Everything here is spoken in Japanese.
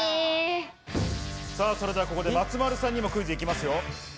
それではここで松丸さんにもクイズ行きますよ。